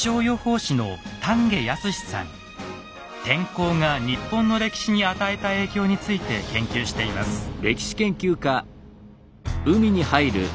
天候が日本の歴史に与えた影響について研究しています。